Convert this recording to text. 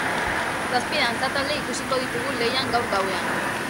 Zazpi dantza talde ikusiko ditugu lehian gaur gauean.